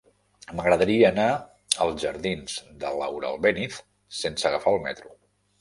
M'agradaria anar als jardins de Laura Albéniz sense agafar el metro.